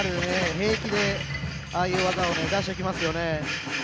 平気でああいう技を出してきますよね。